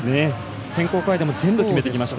選考会でも全部決めてきました。